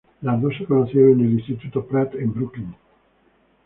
Los dos se conocieron en el Instituto Pratt en Brooklyn.